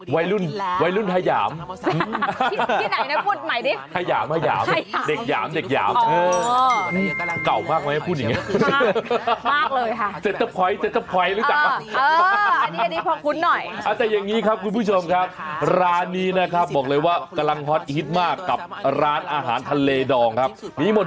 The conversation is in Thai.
ไฮยามไหยยามน่ะครับบอกเลยว่ากำลังคอร์สอีกมากกับร้านอาหารทะเลดองครับนี่หมด